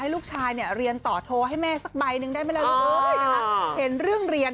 ลูกชายเนี่ยเรียนต่อโทรให้แม่สักใบหนึ่งได้ไหมล่ะลูกเอ้ยนะคะเห็นเรื่องเรียน